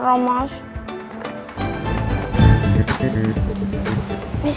calon badutaga gitu ya